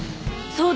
そうだ。